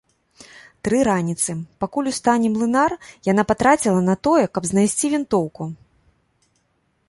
Тры раніцы, пакуль устане млынар, яна патраціла на тое, каб знайсці вінтоўку.